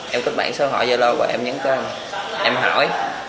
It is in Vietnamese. em kích bản số hỏi giao lô và em nhấn kênh em hỏi